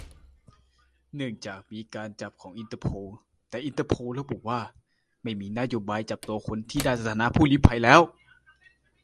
เนื่องจากมีหมายจับของอินเตอร์โพล แต่อินเตอร์โพลระบุว่า ไม่มีนโยบายจับตัวคนที่ได้สถานะผู้ลี้ภัยแล้ว